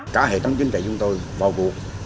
cả hệ thống chính trị chúng tôi bao buộc